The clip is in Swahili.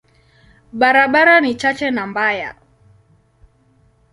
Barabara ni chache na mbaya.